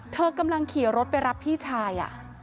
เธอกำลังขี่รถไปรับพี่ชาย